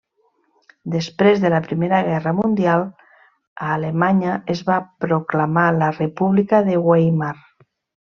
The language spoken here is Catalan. Després de la Primera Guerra Mundial, a Alemanya es va proclamar la República de Weimar.